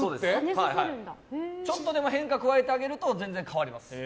ちょっとでも変化を加えてあげると全然変わります。